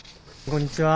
こんにちは。